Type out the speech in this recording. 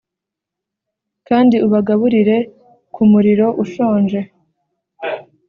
kandi ubagaburire ku muriro ushonje!